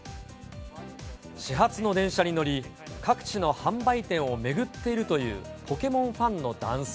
始発の電車に乗り、各地の販売店を巡っているというポケモンファンの男性。